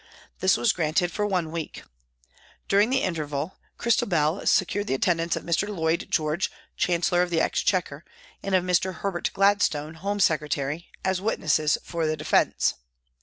This was granted for one week. During the interval, Christabel secured the attendance of Mr. Lloyd George, Chancellor of the Exchequer, and of Mr. Herbert Gladstone, Home Secretary, as witnesses for the defence.